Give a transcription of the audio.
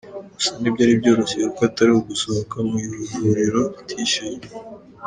Gusa ntibyari byoroshye kuko atari gusohoka mu ivuriro atishyuye.